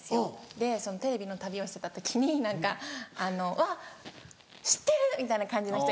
でテレビの旅をしてた時に何かあの「わぁ知ってる！」みたいな感じの人。